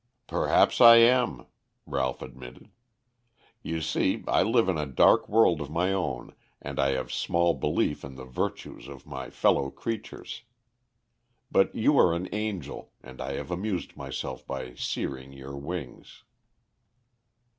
"Perhaps I am," Ralph admitted. "You see, I live in a dark world of my own and I have small belief in the virtues of my fellow creatures. But you are an angel and I have amused myself by searing your wings."